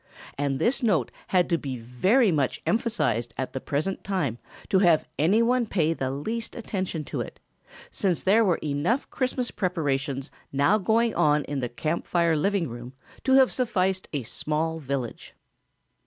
And this note had to be very much emphasized at the present time to have any one pay the least attention to it, since there were enough Christmas preparations now going on in the Camp Fire living room to have sufficed a small village.